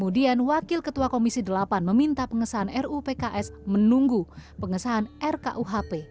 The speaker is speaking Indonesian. dan wakil ketua komisi delapan meminta pengesahan ruupks menunggu pengesahan rkuhp